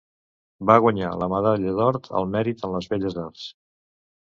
Va guanyar la Medalla d'Or al Mèrit en les Belles Arts.